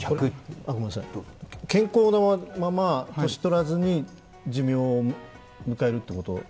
健康なまま、年をとらずに寿命を迎えるということ？